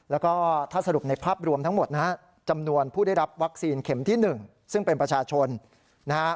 แล้วก็ถ้าสรุปในภาพรวมทั้งหมดนะฮะจำนวนผู้ได้รับวัคซีนเข็มที่๑ซึ่งเป็นประชาชนนะฮะ